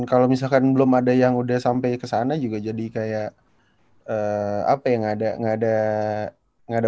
kalau misalkan belum ada yang udah sampai ke sana juga jadi kayak apa yang ada ada enggak ada